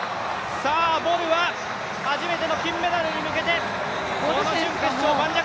ボルは初めての金メダルに向けてこの準決勝も盤石。